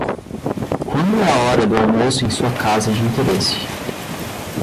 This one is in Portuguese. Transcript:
Quando é a hora do almoço em sua casa de interesse?